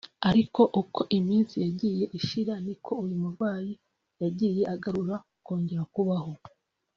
ariko uko iminsi yagiye ishira niko uyu murwayi yagiye agarura kongera kubaho